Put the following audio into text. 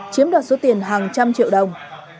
chiếm đoạt số tiền hàng trăm triệu đồng